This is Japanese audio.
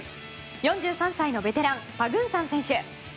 ４３歳のベテランパグンサン選手。